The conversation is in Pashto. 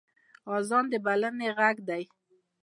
اذان د بلنې غږ دی